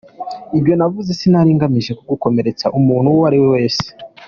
Ibyo navuze sinari ngamije gukomeretsa umuntu uwo ari wese.